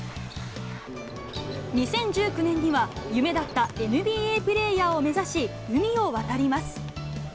２０１９年には、夢だったＮＢＡプレーヤーを目指し、海を渡ります。